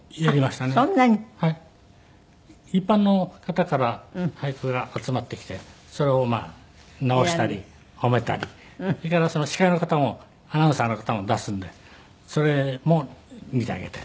一般の方から俳句が集まってきてそれをまあ直したり褒めたりそれからその司会の方もアナウンサーの方も出すんでそれも見てあげて。